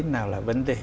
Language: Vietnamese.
nào là vấn đề